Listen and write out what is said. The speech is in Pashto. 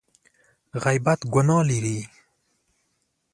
غیبت ګناه لري !